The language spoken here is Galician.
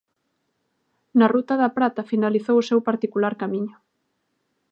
Na ruta da prata finalizou o seu particular camiño.